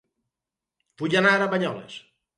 Vull anar a Banyoles